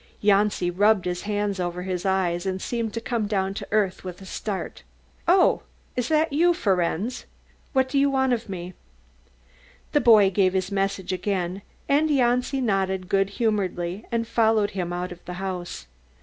Janci rubbed his hands over his eyes and seemed to come down to earth with a start. "Oh, is that you, Ferenz? What do you want of me?" The boy gave his message again, and Janci nodded good humouredly and followed him out of the house.